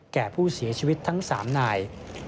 แก่ผู้เสียชีวิตทั้ง๓นาย